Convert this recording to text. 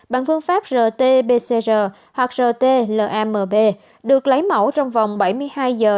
bằng phương pháp rt pcr hoặc rt lamb được lấy mẫu trong vòng bảy mươi hai giờ